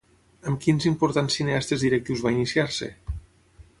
Amb quins importants cineastes directius va iniciar-se?